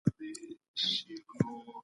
ډيجيټلي سيستمونه تېروتنې کموي.